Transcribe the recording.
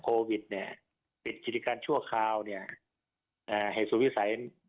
โควิดเนี่ยปิดกิจการชั่วคราวเนี่ยอ่าเหตุสุดวิสัย